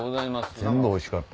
全部おいしかった。